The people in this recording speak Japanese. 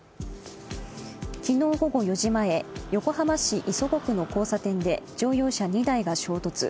昨日午後４時前横浜市磯子区の交差点で乗用車２台が衝突。